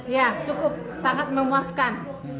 ya cukup sangat menguaskan